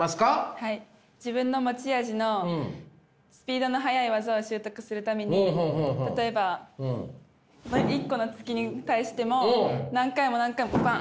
はい自分の持ち味のスピードの速い技を習得するために例えば１個の突きに対しても何回も何回もパン！